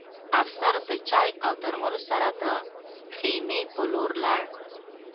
افسر د چای او درملو سره د خیمې په لور لاړ